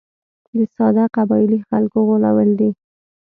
د ساده قبایلي خلکو غولول دي.